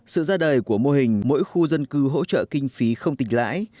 sự ra đời của mô hình mỗi khu dân cư hỗ trợ kinh phí không tỉnh lãi